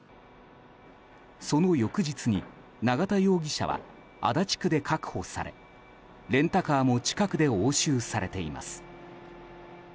その翌日に、永田容疑者は足立区で確保されレンタカーも近くで押収されています。